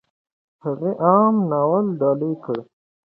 هغې "اِما" ناول ډالۍ کړ.